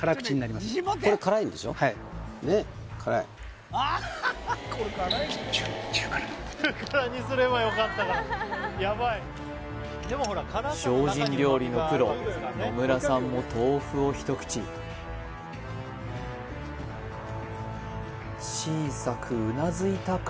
はいねっ辛い精進料理のプロ野村さんも豆腐を一口小さくうなずいたか？